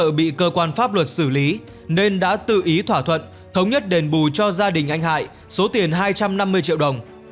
các cơ bị cơ quan pháp luật xử lý nên đã tự ý thỏa thuận thống nhất đền bù cho gia đình anh hải số tiền hai trăm năm mươi triệu đồng